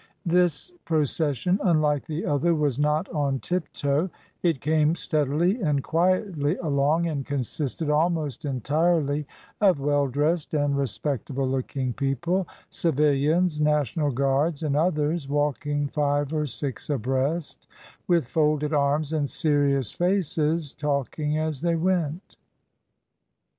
This procession, unlike the other, was not on tip toe; it came steadily and quietly along, and consisted almost entirely of well dressed and re Mrs. Dymond. II, 15 226 MRS. DYMOND. spectable looking people, civilians, National Guards, and others, walking five or six abreast, with folded arms and serious faces, talking as they went.